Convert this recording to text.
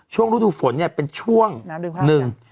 ช่วงวุฒีฝนต์เนี่ยเป็นช่วงนึง